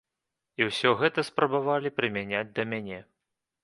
І ўсё гэта спрабавалі прымяняць да мяне.